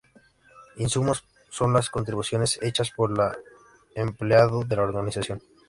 Insumos son las contribuciones hechas por el empleado de la organización.